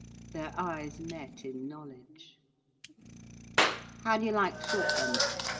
Their eyes met in knowledge. "How do you like Shortlands?"